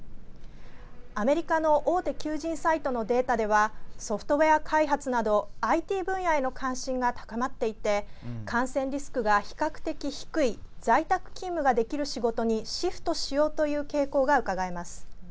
アメリカの大手求人サイトのデータではソフトフェア開発などＩＴ分野への関心が高まっていて感染リスクが比較的低い在宅勤務ができる仕事にシフトしようという傾向がうかがえます。